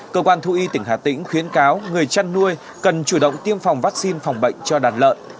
cơ quan thu y tỉnh hà tĩnh khuyến cáo người chăn nuôi cần chủ động tiêm phòng vắc xin phòng bệnh cho đàn lợn